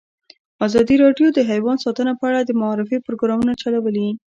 ازادي راډیو د حیوان ساتنه په اړه د معارفې پروګرامونه چلولي.